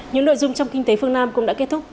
ngoại dung trong kinh tế phương nam cũng đã kết thúc